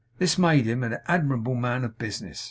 This made him an admirable man of business.